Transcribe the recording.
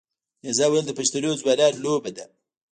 نیزه وهل د پښتنو ځوانانو لوبه ده.